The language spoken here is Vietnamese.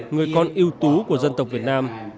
người con yêu tú của dân tộc việt nam